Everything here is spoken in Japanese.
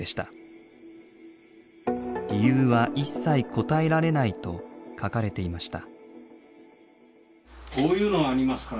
理由は一切答えられないと書かれていました。